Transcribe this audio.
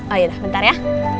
oh ya udah bentar ya